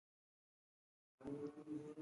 د ګوندي تربګنیو اور په غړغړو وي.